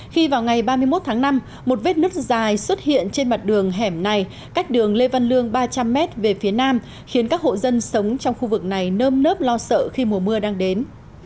khi vào ngày ba mươi một tháng năm một vết nứt dài xuất hiện trên mặt đường hẻm này cách đường lê văn lương ba trăm linh m về phía nam khiến các hộ dân sống trong khu vực này nơm nớp lo sợ khi mùa mưa đang đến